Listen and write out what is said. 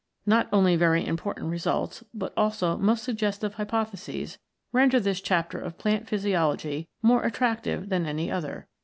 Not only very important results, but also most sug gestive hypotheses, render this chapter of plant Physiology more attractive than any other.